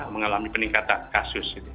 mengalami peningkatan kasus